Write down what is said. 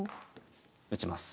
打ちます。